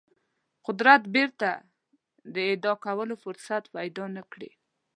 قدرت بیرته اعاده کولو فرصت پیدا نه کړي.